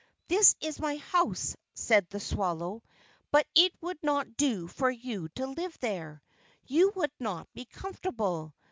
"This is my house," said the swallow; "but it would not do for you to live there you would not be comfortable.